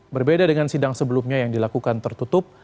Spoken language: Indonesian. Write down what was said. berbeda dengan sidang sebelumnya yang dilakukan tertutup